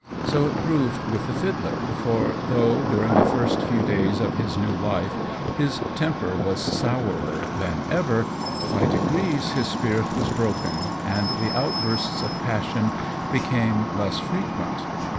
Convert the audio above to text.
So it proved with the fiddler, for though, during the first few days of his new life, his temper was sourer than ever, by degrees his spirit was broken, and the outbursts of passion became less frequent.